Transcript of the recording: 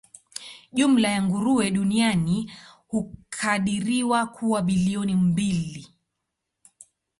Jumla ya nguruwe duniani hukadiriwa kuwa bilioni mbili.